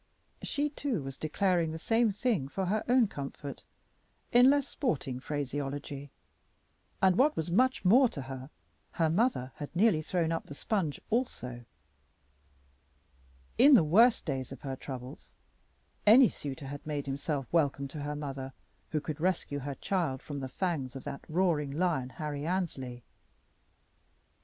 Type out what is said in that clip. She, too, was declaring the same thing for her own comfort in less sporting phraseology, and, what was much more to her, her mother had nearly thrown up the sponge also. In the worse days of her troubles any suitor had made himself welcome to her mother who would rescue her child from the fangs of that roaring lion, Harry Annesley. Mr.